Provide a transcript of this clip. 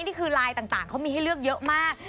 นี่คือไลน์ต่างเขามีให้เลือกเยอะมาก